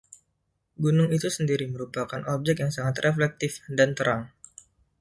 Gunung itu sendiri merupakan objek yang sangat reflektif dan terang.